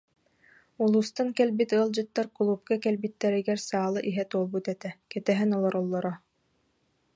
Улуустан кэлбит ыалдьыттар кулуупка кэлбиттэригэр саала иһэ туолбут этэ, кэтэһэн олороллоро